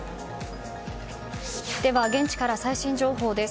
では現地から最新情報です。